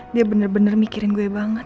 dia bener bener mikirin gue banget